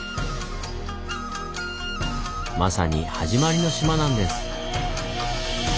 まさに「はじまりの島」なんです。